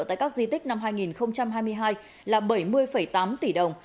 tại các di tích năm hai nghìn hai mươi hai là bảy mươi tám tỷ đồng